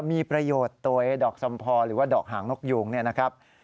มีประโยชน์ตัวไอ้ดอกสมพอร์หรือว่าดอกหางนกยุงนะครับ